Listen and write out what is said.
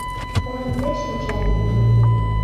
— Ожнысек шинча, витне.